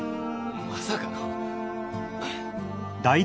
まさかのう。